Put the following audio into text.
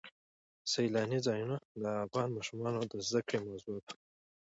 سیلاني ځایونه د افغان ماشومانو د زده کړې موضوع ده.